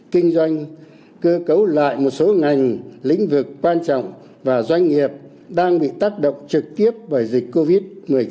kinh doanh cơ cấu lại một số ngành lĩnh vực quan trọng và doanh nghiệp đang bị tác động trực tiếp bởi dịch covid một mươi chín